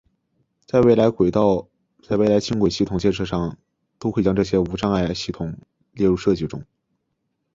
在未来轻轨系统建设上都会将这些无障碍系统列入设计中。